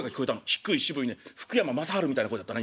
低い渋いね福山雅治みたいな声だったね